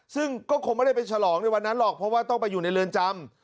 ซึ่งก็คงไม่ได้ไปฉลองในวันนั้นหรอกเพราะว่าต้องไปอยู่ในเรือนจำ